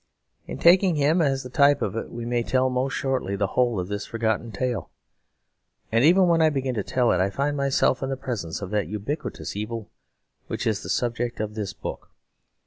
In taking him as the type of it we may tell most shortly the whole of this forgotten tale. And, even when I begin to tell it, I find myself in the presence of that ubiquitous evil which is the subject of this book.